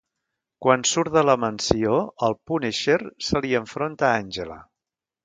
Quan surt de la mansió, al Punisher se li enfronta Angela.